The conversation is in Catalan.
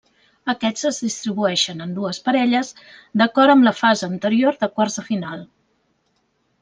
Aquests es distribueixen en dues parelles d'acord amb la fase anterior de quarts de final.